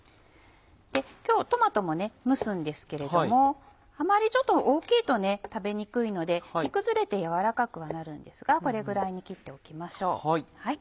今日トマトも蒸すんですけれどもあまりちょっと大きいと食べにくいので煮崩れて軟らかくはなるんですがこれぐらいに切っておきましょう。